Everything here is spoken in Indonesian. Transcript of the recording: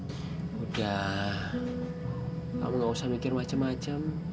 sudah kamu tidak perlu berpikir macam macam